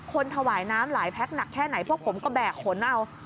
ถวายน้ำหลายแพ็คหนักแค่ไหนพวกผมก็แบกขนเอา